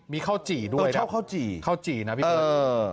มีข้าวจี่ด้วยนะข้าวจี่นะพี่เพื่อน